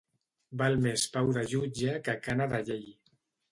Val més pau de jutge que cana de llei.